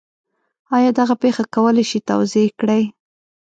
آیا دغه پېښه کولی شئ توضیح کړئ؟